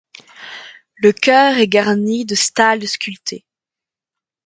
Le chœur est garni de stalles sculptées.